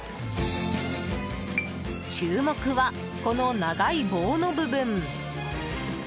注目は、この長い棒の部分。